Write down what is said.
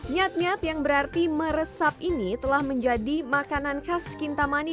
nyat nyat yang berarti meresap ini telah menjadi makanan khas kintamani